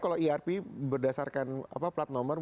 kalau irp berdasarkan plat nomor